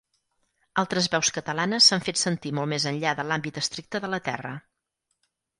Altres veus catalanes s'han fet sentir molt més enllà de l'àmbit estricte de la terra.